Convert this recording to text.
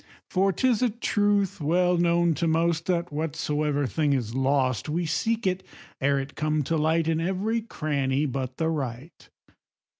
For 'tis a truth well known to most, That whatsoever thing is lost, We seek it, ere it come to light, In every cranny but the right.